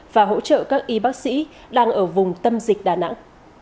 và hỗ trợ các y bác sĩ đang ở vùng tâm dịch đà nẵng